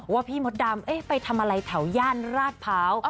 ว่าพี่มดดำไปทำอะไรแถวย่านราดเผา